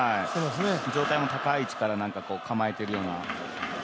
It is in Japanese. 上体も高い位置から、構えているような。